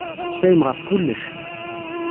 Tesseqsayem ɣef kullec.